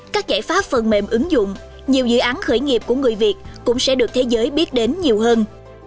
các giải pháp phần mềm ứng dụng nhiều dự án khởi nghiệp của người việt cũng sẽ được thế giới biết đến nhiều hơn